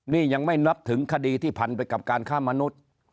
นี่ยังไม่นับถึงคดีที่พันไปกับการฆ่ามนุษย์